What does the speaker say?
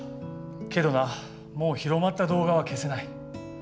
けどなもう広まった動画は消せない。